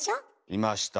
いました。